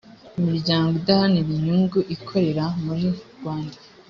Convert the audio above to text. imiryango idaharanira inyungu ikorera muri rwanda